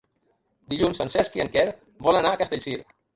Dilluns en Cesc i en Quer volen anar a Castellcir.